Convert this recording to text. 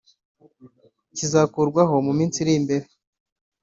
kizakurwaho mu minsi iri imbere